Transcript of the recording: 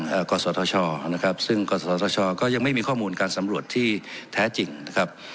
กศธชนะครับซึ่งกศธชก็ยังไม่มีข้อมูลการสำรวจที่แท้จริงนะครับ